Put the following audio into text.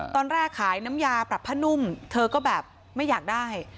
ตอนแรกขายน้ำยาปรับผ้านุ่มเธอก็แบบไม่อยากได้